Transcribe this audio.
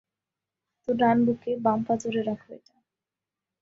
তো ডান বুকে, বাম পাঁজরে রাখো এটা।